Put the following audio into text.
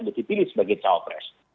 untuk dipilih sebagai cawapres